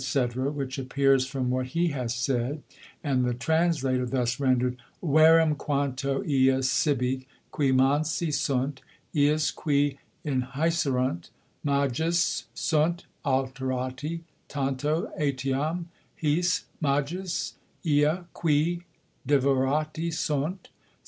_ which appears from what he has said, and the Translator thus render'd: '_Verum quanto ii (cibi) qui mansi sunt, iis, qui inhæserunt, magis sunt alterati; tanto etiam his magis ii, qui devorati sunt.